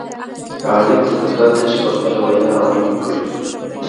عالم ته پکار ده چې په خپله وینا عمل وکړي.